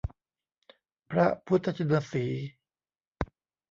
พระพุทธชินสีห์